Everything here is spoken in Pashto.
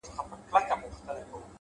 خو موږ د ګټي کار کي سراسر تاوان کړی دی،